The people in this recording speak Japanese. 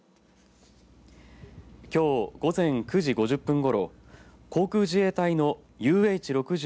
きょう午前９時５０分ごろ航空自衛隊のＵＨ６０